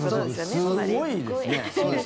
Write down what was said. すごいですね。